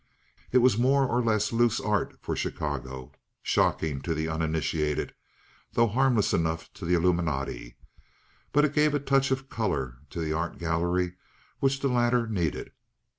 It was more or less "loose" art for Chicago, shocking to the uninitiated, though harmless enough to the illuminati; but it gave a touch of color to the art gallery which the latter needed.